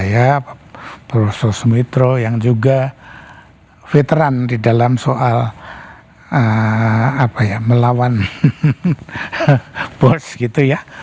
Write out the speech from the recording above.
saya proso sumitro yang juga veteran di dalam soal melawan bos gitu ya